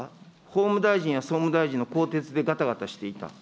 法務大臣や総務大臣の更迭でがたがたしていた。